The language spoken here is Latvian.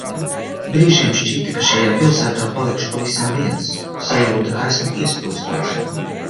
Brīžiem šķita, ka šajā pilsētā palikšu pavisam viens. Sajūta, ka esmu iesprostots.